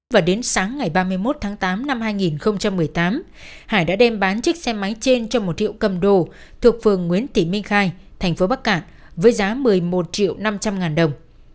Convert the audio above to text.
và đến sáng ngày ba mươi một tháng tám năm hai nghìn một mươi tám hải đã đem bán chiếc xe máy trên cho một triệu cầm đồ thuộc phường nguyễn tị minh khai thành phố bắc cạn với giá một mươi một triệu năm trăm linh ngàn đồng